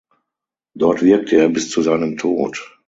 Dort wirkte er bis zu seinem Tod.